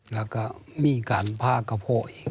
และมีการผ้ากะเพาะอีก